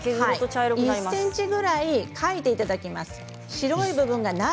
１ｃｍくらい、かいていただきます。